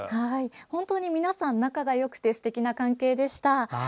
本当に皆さん仲がよくてすてきな関係でした。